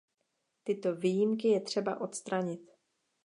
Tyto výjimky je třeba odstranit.